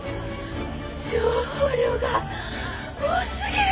情報量が多すぎる。